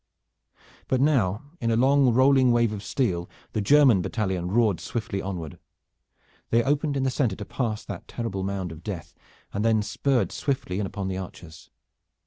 But now in a long rolling wave of steel the German battalion roared swiftly onward. They opened in the center to pass that terrible mound of death, and then spurred swiftly in upon the archers.